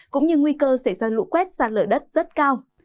cũng như nguy cơ xảy ra lũ quét sạt lở đất rất cao